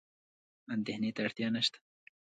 اندېښنې ته اړتیا نشته.